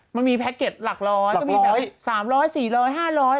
มันมีแพ็คเก็ตหลักร้อยหลักร้อย